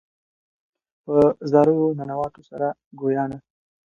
په زاریو ننواتو سوه ګویانه